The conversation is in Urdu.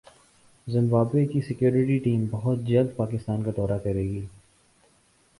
زمبابوے کی سکیورٹی ٹیم بہت جلد پاکستان کا دورہ کریگی